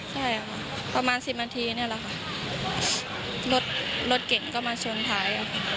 ใช่ค่ะประมาณสิบนาทีนี่แหละค่ะรถรถเก่งก็มาชนท้าย